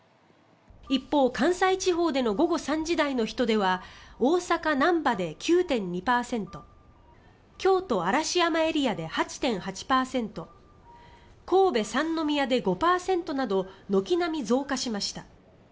一方、関西地方での午後３時台の人出は大阪・なんばで９．２％京都・嵐山エリアで８．８％神戸・三宮で５％など軒並み増加しました。